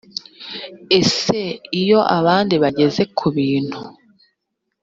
ese iyo abandi bageze ku bintu